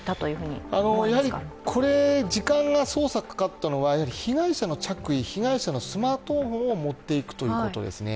捜査に時間がかかったのは、被害者の着衣、被害者のスマートフォンを持っていくということですね。